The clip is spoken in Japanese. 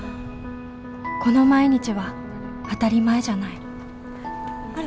この毎日は当たり前じゃないあれ